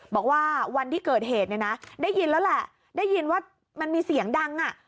บอกว่าวันที่เกิดเหตุเนี่ยนะได้ยินแล้วแหละได้ยินว่ามันมีเสียงดังอ่ะ